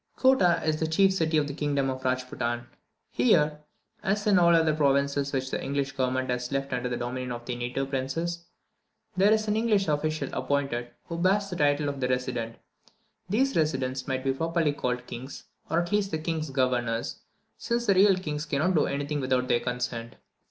Kottah is the chief city of the kingdom of Rajpootan. Here, as in all those provinces which the English government has left under the dominion of their native princes, there is an English official appointed, who bears the title of the "Resident." These residents might be properly called "kings," or at least the king's governors, since the real kings cannot do anything without their consent.